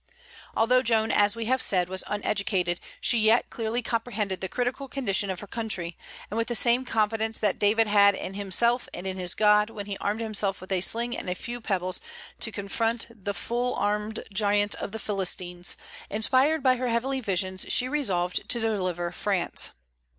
Although Joan, as we have said, was uneducated, she yet clearly comprehended the critical condition of her country, and with the same confidence that David had in himself and in his God when he armed himself with a sling and a few pebbles to confront the full armed giant of the Philistines, inspired by her heavenly visions she resolved to deliver France.